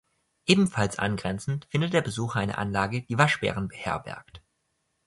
Ebenfalls angrenzend findet der Besucher eine Anlage, die Waschbären beherbergt.